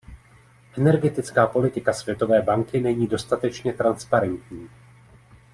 Energetická politika Světové banky není dostatečně transparentní.